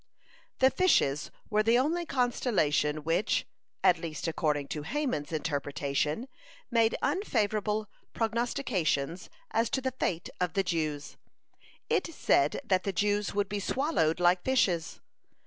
(109) The Fishes were the only constellation which, at least according to Haman's interpretation, made unfavorable prognostications as to the fate of the Jews. It said that the Jews would be swallowed like fishes.